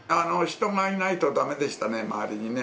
人がいないとだめでしたね、周りにね。